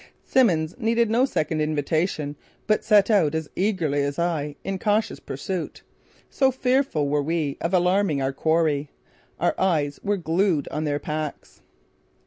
Simmons needed no second invitation but set out as eagerly as I in cautious pursuit; so fearful were we of alarming our quarry. Our eyes were glued on their packs.